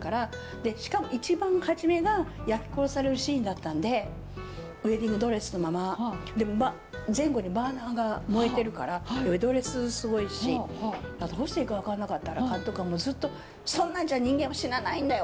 でしかも一番初めが焼き殺されるシーンだったんでウエディングドレスのまま前後にバーナーが燃えてるからドレスすごいしどうしていいか分かんなかったら監督がもうずっと「そんなんじゃ人間は死なないんだよ！